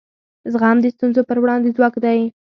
زغم د ستونزو پر وړاندې ځواک دی.